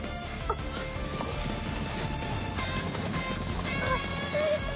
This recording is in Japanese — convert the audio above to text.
あっあぁ。